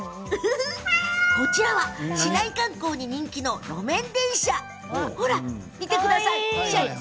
こちらは市内観光に人気の路面電車ほら見てください。